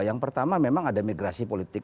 yang pertama memang ada migrasi politik